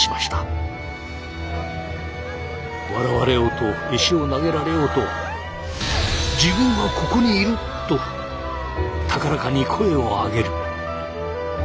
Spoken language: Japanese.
笑われようと石を投げられようとと高らかに声を上げる。